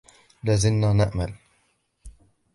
لا زلنا نأمل.